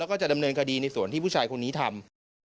แล้วก็จะดำเนินคดีในส่วนที่ผู้ชายคนนี้ทำ